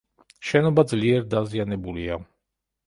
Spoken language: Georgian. შენობა ძლიერ დაზიანებულია.